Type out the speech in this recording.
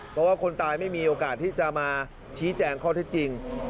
เพราะว่าคนตายไม่มีโอกาสที่จะมาชี้แจงข้อเท็จจริง